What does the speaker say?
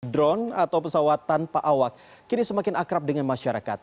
drone atau pesawat tanpa awak kini semakin akrab dengan masyarakat